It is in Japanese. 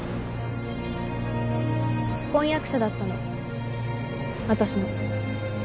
婚約者だったの私の。